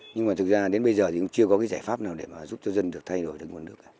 nhưng mà thực ra đến bây giờ thì cũng chưa có cái giải pháp nào để mà giúp cho dân được thay đổi được nguồn nước